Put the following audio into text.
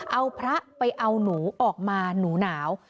เอาพระไปเอาหนูออกมาหนูหนาว